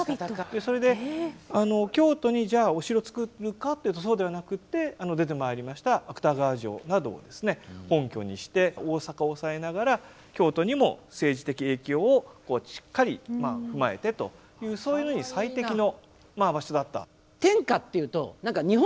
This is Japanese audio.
それで京都にじゃあお城造るかというとそうではなくて出てまいりました芥川城などを本拠にして大阪を押さえながら京都にも政治的影響をしっかり踏まえてというそういうのに最適の場所だった。